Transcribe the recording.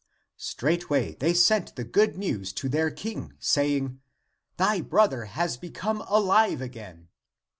Straightway they sent the good news to their King, saying, " Thy brother has become alive again